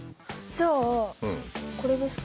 じゃあこれですか？